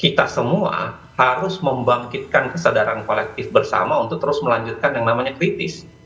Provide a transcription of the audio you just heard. kita semua harus membangkitkan kesadaran kolektif bersama untuk terus melanjutkan yang namanya kritis